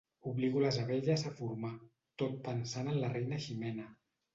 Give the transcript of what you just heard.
Obligo les abelles a formar, tot pensant en la reina Ximena.